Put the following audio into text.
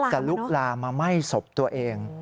ลุกลามมาไหม้ศพตัวเอง